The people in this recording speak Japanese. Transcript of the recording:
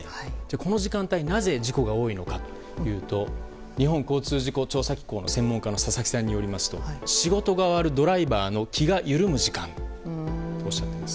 この時間帯になぜ事故が多いのかというと日本交通事故調査機構の専門家の佐々木さんによりますと仕事が終わるドライバーの気が緩む時間とおっしゃっています。